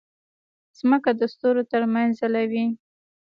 مځکه د ستورو ترمنځ ځلوي.